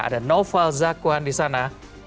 ada noval zakwan di sana